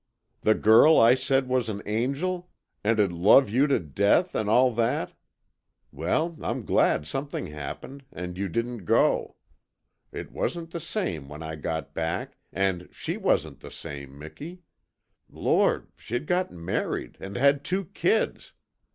The Girl I said was an angel, and 'd love you to death, and all that? Well, I'm glad something happened and you didn't go. It wasn't the same when I got back, an' SHE wasn't the same, Miki. Lord, she'd got married, AND HAD TWO KIDS!